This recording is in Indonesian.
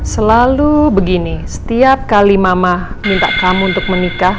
selalu begini setiap kali mama minta kamu untuk menikah